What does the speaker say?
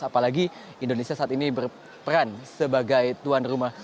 apalagi indonesia saat ini berperan sebagai tuan rumah